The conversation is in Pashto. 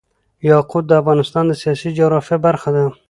یاقوت د افغانستان د سیاسي جغرافیه برخه ده.